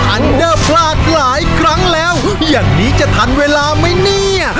อันเดอร์พลาดหลายครั้งแล้วอย่างนี้จะทันเวลาไหมเนี่ย